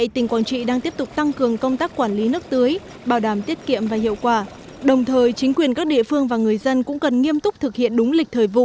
tỉnh quảng trị đã có kế hoạch chuyển đổi gần bảy trăm linh hectare lúa thiếu nước sang các hình thức sản xuất